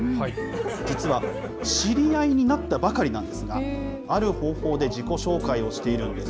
実は知り合いになったばかりなんですが、ある方法で自己紹介をしているんです。